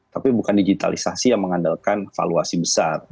tapi bukan digitalisasi yang mengandalkan valuasi besar